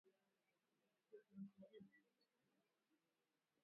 Dalili za mgandamizo wa kichwa